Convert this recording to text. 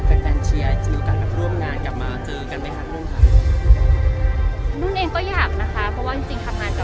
ที่ไหนใช่ยินดีค่ะจะมีโอกาสมีแฟนมิตติ้งไหมคะ